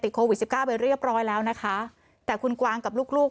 โควิดสิบเก้าไปเรียบร้อยแล้วนะคะแต่คุณกวางกับลูกลูก